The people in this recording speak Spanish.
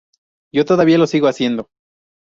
Yo todavía lo sigo haciendo.